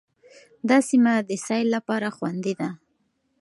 دا سیمه د سیل لپاره خوندي ده.